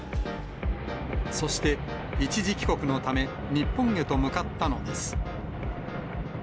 そして一時帰国のため、日本へと向かったのです。